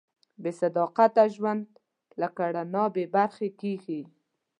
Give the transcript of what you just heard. بېصداقته ژوند له رڼا بېبرخې کېږي.